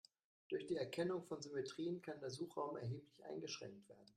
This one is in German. Durch die Erkennung von Symmetrien kann der Suchraum erheblich eingeschränkt werden.